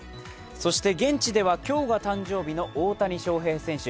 そして現地では今日が誕生日の大谷翔平選手。